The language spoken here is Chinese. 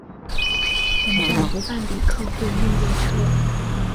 本站不办理客货运列车。